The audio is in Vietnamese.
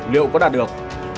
liệu có đạt được